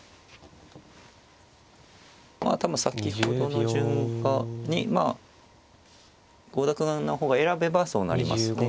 まあ多分先ほどの順に郷田九段の方が選べばそうなりますね。